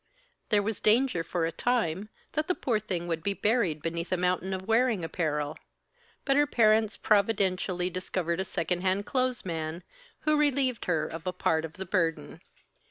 There was danger, for a time, that the poor little thing would be buried beneath a mountain of wearing apparel; but her parents providentially discovered a second hand clothes man, who relieved her of a part of the burden.